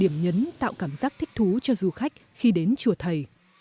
một cảm giác thích thú cho du khách khi đến chùa thầy